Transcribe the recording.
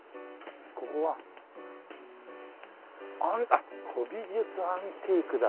あっ古美術・アンティークだ。